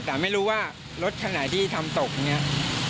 แต่ไม่รู้ว่ารถคันไหนที่ทำตกอย่างนี้